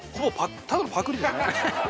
ただのパクリですね。